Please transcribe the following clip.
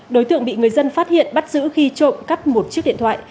đối tượng bị người dân phát hiện bắt giữ khi trộm cắp một chiếc điện thoại